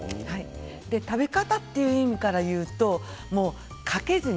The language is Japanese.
食べ方という意味からいうとかけずに。